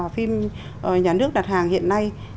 phim nhà nước đặt hàng hiện nay